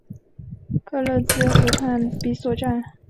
克勒兹河畔比索站。